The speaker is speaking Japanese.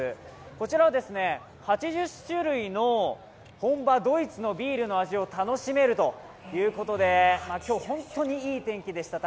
こちらは８０種類の本場ドイツのビールの味を楽しめるということで今日、本当にいい天気でした。